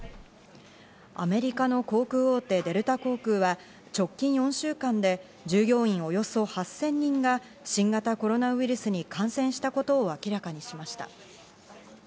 アメリカの航空大手・デルタ航空は直近４週間で従業員およそ８０００人が新型コロナウイルスに感染したことを明らかにしました。